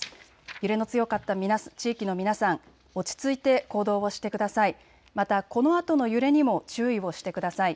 揺れの強かった地域の皆さん、落ち着いて行動をしてください。